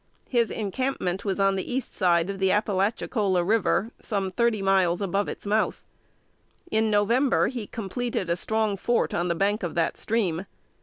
His encampment was on the east side of the Appalachicola River, some thirty miles above its mouth. In November, he completed a strong fort on the bank of that stream.